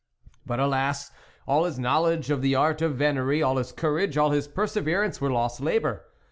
But alas ! all his knowledge of the art of Venery, all his courage, all his perseverance, were lost labour.